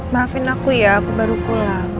maafin aku ya aku baru pulang